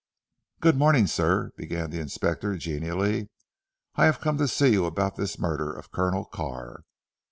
"Good morning sir," began the Inspector genially. "I have come to see you about this murder of Colonel Carr.